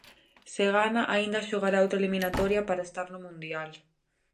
Se gana aínda xogará outra eliminatoria para estar no mundial.